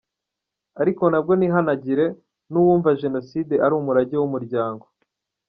Ariko nabwo ntihanagire n’uwumva jenoside ari umurage w’umuryango.